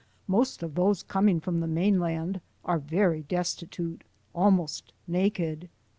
Most of those coming from the mainland are very destitute, almost naked.